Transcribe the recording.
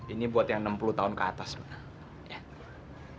ini buat yang enam puluh tahun ke atas